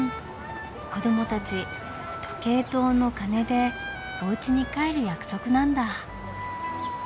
子どもたち時計塔の鐘でおうちに帰る約束なんだ。